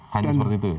hanya seperti itu